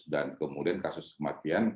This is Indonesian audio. dan kemudian kasus kematian